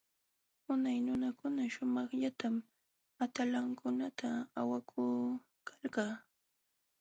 Unay nunakuna sumaqllatam atalankunata awakulkalqa.